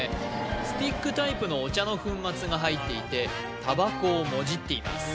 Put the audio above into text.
スティックタイプのお茶の粉末が入っていてたばこをもじっています